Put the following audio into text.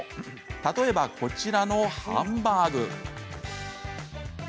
例えばこちらのハンバーグ。